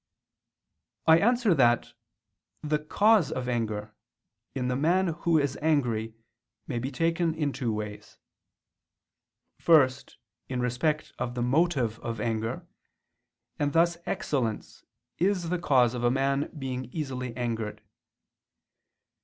I answer that, The cause of anger, in the man who is angry, may be taken in two ways. First in respect of the motive of anger: and thus excellence is the cause of a man being easily angered.